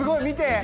見て！